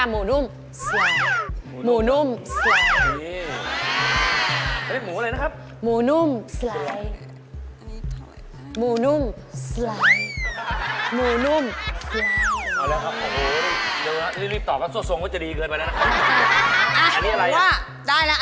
อันนี้เนื้อเรา